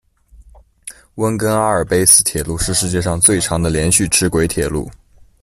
温根阿尔卑斯铁路是世界上最长的连续齿轨铁路。